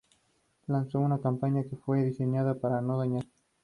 Lanzó una campaña que fue diseñada para no dañar.